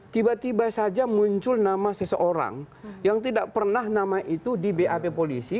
tiba tiba saja muncul nama seseorang yang tidak pernah nama itu di bap polisi